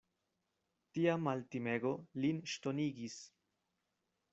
Tia maltimego lin ŝtonigis.